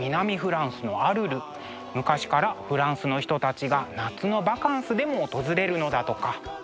昔からフランスの人たちが夏のバカンスでも訪れるのだとか。